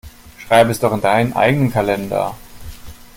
Schreib es doch in deinen eigenen Kalender.